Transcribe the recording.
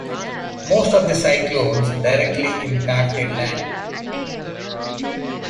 Most of the cyclones directly impacted land.